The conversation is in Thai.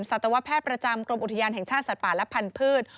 สัตวแพทย์ประจำกรมอุทยานแห่งชาติสัตว์ป่าและพันธุ์